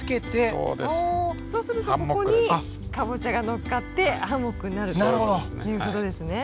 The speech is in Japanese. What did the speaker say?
そうするとここにカボチャがのっかってハンモックになるという事ですね。